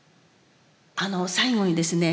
あの最後にですね